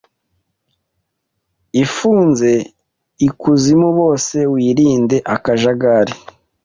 ifunze ikuzimubose wirinde akajagari